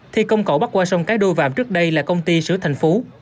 thi công cầu bắt qua sông cái đôi vạm trước đây là công ty sửa thành phố